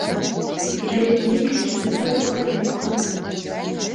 Ёсць некалькі методык падліку.